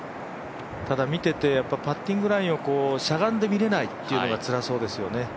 ただ、見ててパッティングラインをしゃがんで見れないというのがつらそうですよね。